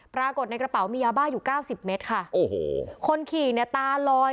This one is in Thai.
ปรากฏในกระเป๋ามียาบ้าอยู่เก้าสิบเมตรค่ะโอ้โหคนขี่เนี่ยตาลอย